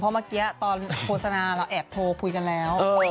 เมื่อกี้ตอนโฆษณาเราแอบโทรคุยกันแล้ว